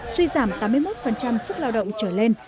suy giảm tám mươi một sức lao động trở lên